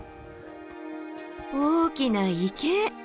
大きな池！